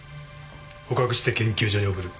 捕獲して研究所に送る。